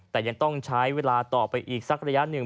แต่ยังต้องใช้เวลาต่อไปอีกสักระยะหนึ่ง